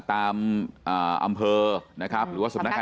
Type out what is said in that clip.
ตามอำเภอนะครับหรือว่าสำนักงาน